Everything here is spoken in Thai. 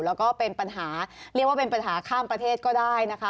แล้วก็เป็นปัญหาเรียกว่าเป็นปัญหาข้ามประเทศก็ได้นะคะ